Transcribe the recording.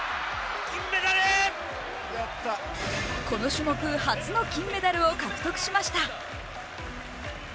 この種目初の金メダルを獲得しました。